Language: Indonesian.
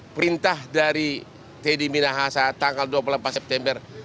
perintah dari teddy minahasa tanggal dua puluh empat september